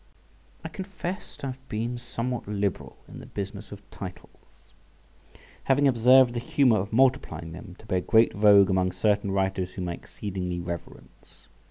I confess to have been somewhat liberal in the business of titles {69a}, having observed the humour of multiplying them, to bear great vogue among certain writers, whom I exceedingly reverence.